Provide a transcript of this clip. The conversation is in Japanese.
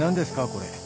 これ。